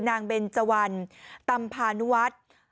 นางเบนจาวันตำนวัด